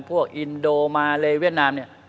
พวกอินโดมาเลเวียดนาม